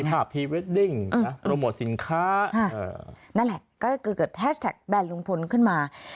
มีภาพพีเวดดิ้งอืมโรโมทสินค้าฮะนั่นแหละก็ได้เกิดเกิดแฮชแท็กแบนลุงพลขึ้นมา